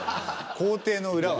校庭の裏は。